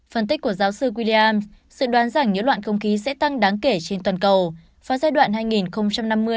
phân tích của giáo sư williams sự đoán rằng nhỡ loạn không khí sẽ tăng đáng kể trên toàn cầu